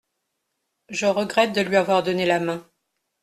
Je regrette de lui avoir donné la main.